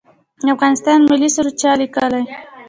د افغانستان ملي سرود چا لیکلی؟